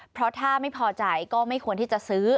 เพราะถ้าไม่พอใจก็ไม่ควรที่จะซื้อ